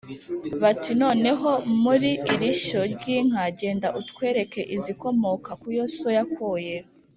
bati: "Noneho muri iri shyo ry'inka, genda utwereke izikomoka ku yo so yakoye.